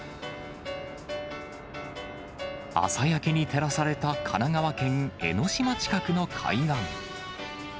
朝焼けに照らされた、神奈川県江の島近くの海岸。